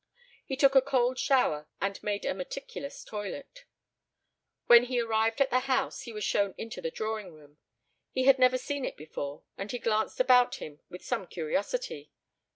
He took a cold shower, and made a meticulous toilet. When he arrived at the house he was shown into the drawing room. He had never seen it before and he glanced about him with some curiosity.